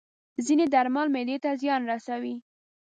ځینې درمل معده ته زیان رسوي.